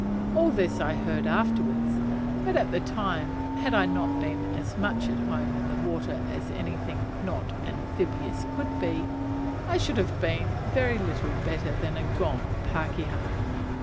All this I heard afterwards; but at the time, had I not been as much at home in the water as anything not amphibious could be, I should have been very little better than a gone pakeha.